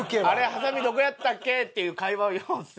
ハサミどこやったっけ？」っていう会話はようする。